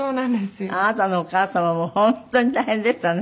あなたのお母様も本当に大変でしたね。